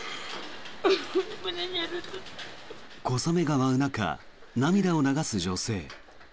小雨が舞う中、涙を流す女性。